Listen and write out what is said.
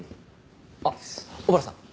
あっ小原さん